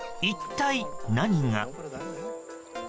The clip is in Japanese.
一体何が？